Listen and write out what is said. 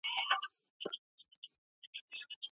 زده کوونکي کله ناکله رواني مرستې ته اړتیا لري.